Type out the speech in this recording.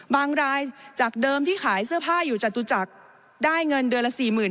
รายจากเดิมที่ขายเสื้อผ้าอยู่จตุจักรได้เงินเดือนละ๔๐๐๐